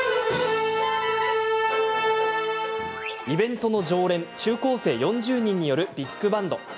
イベントの常連中高生４０人によるビッグバンド。